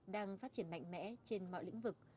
đang phát triển mạnh mẽ trên mọi lĩnh vực